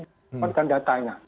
jadi ini semakin rumit ya